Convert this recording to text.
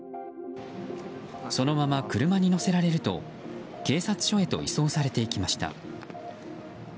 そのまま車に乗せられると警察署へと移送されていきました。